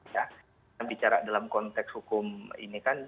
kita bicara dalam konteks hukum ini kan